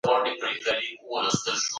فرضونه د علم او فلسفې په رڼا کي مطرح کیږي.